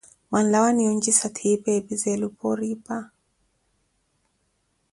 mwanlawaniye onjisa ttipa ephi za eluphooripa ?